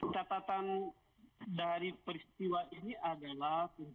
catatan dari peristiwa ini adalah